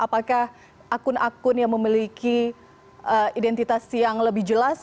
apakah akun akun yang memiliki identitas yang lebih jelas